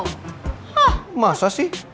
hah masa sih